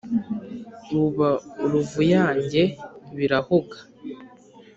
Buba uruvuyange birahoga!